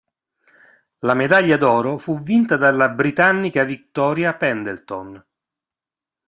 La medaglia d'oro fu vinta dalla britannica Victoria Pendleton.